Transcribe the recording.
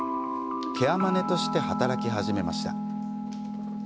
ケアマネとして働き始めました。